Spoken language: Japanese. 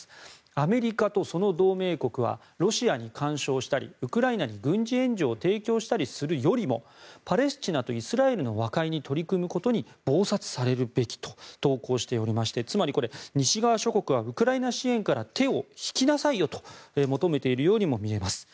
アメリカとその同盟国はロシアに干渉したりウクライナに軍事援助を提供したりするよりもパレスチナとイスラエルの和解に取り組むことに忙殺されるべきと投稿しておりましてつまり、西側諸国はウクライナ支援から手を引きなさいよと求めているようにも見えます。